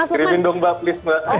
kirimin dong mbak please mbak